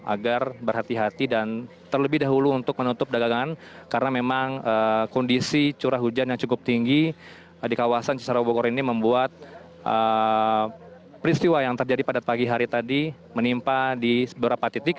agar berhati hati dan terlebih dahulu untuk menutup dagangan karena memang kondisi curah hujan yang cukup tinggi di kawasan cisara bogor ini membuat peristiwa yang terjadi pada pagi hari tadi menimpa di beberapa titik